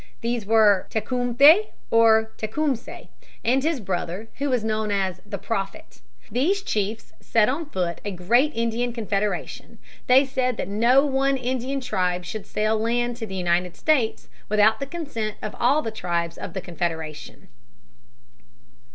These were Tecumthe, or Tecumseh, and his brother, who was known as "the Prophet." These chiefs set on foot a great Indian confederation. They said that no one Indian tribe should sell land to the United States without the consent of all the tribes of the Confederation.